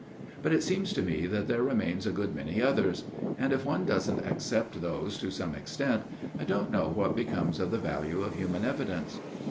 But it seems to me that there remain a good many others ; and if one doesn't accept those to some extent, I don't know what becomes of the value of human evidence.